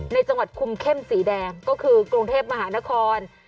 ในจังหวัดคุมเข้มสีแดงก็คือกรุงเทพมหานคร